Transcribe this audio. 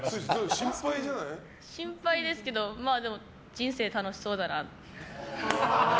心配ですけどでも、人生楽しそうだなって。